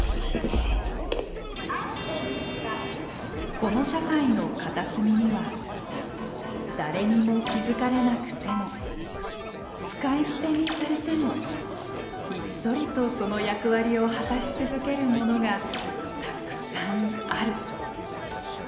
この社会の片隅には誰にも気付かれなくても使い捨てにされてもひっそりとその役割を果たし続けるものがたくさんある。